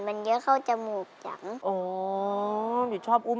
ตัวเลือกที่สอง๘คน